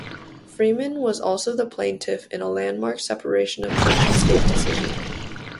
Freeman was also the plaintiff in a landmark separation of church and state decision.